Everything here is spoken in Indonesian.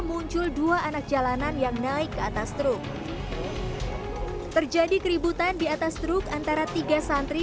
muncul dua anak jalanan yang naik ke atas truk terjadi keributan di atas truk antara tiga santri